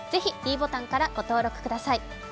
ぜひｄボタンからご登録ください。